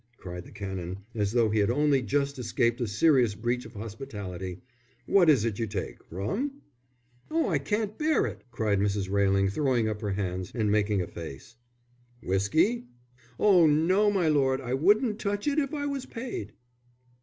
cried the Canon, as though he had only just escaped a serious breach of hospitality. "What is it you take? Rum?" "Oh, I can't bear it!" cried Mrs. Railing, throwing up both her hands and making a face. "Whiskey?" "Oh, no, my lord. I wouldn't touch it if I was paid."